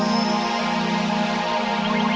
malu jadi tik algor dalam kehidupannya